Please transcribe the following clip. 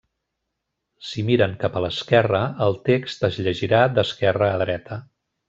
Si miren cap a l'esquerra, el text es llegirà d'esquerra a dreta.